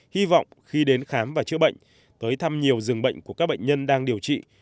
hy vọng khi đến khám và chữa bệnh tới thăm nhiều giường bệnh của các bệnh nhân đang điều trị